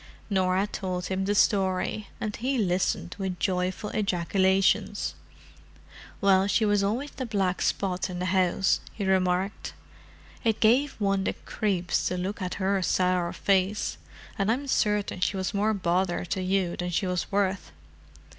Norah told him the story, and he listened with joyful ejaculations. "Well, she was always the black spot in the house," he remarked. "It gave one the creeps to look at her sour face, and I'm certain she was more bother to you than she was worth."